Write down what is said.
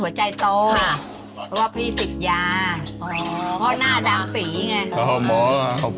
อืมอืมอืมอืมอืมอืมอืม